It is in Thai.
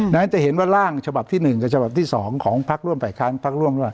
นั้นจะเห็นว่าร่างฉบับที่๑กับฉบับที่๒ของพักร่วมฝ่ายค้านพักร่วมด้วย